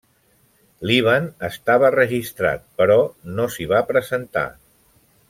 Líban estava registrat però no s'hi va presentar.